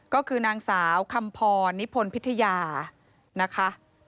ก็คือนางสาวคำพรนิพลพิทยานะคะ